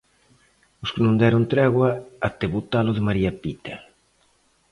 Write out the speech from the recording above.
Os que non deron tregua até botalo de María Pita.